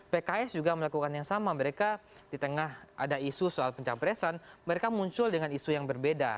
pks juga melakukan yang sama mereka di tengah ada isu soal pencapresan mereka muncul dengan isu yang berbeda